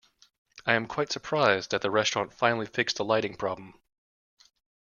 I am quite surprised that the restaurant finally fixed the lighting problem.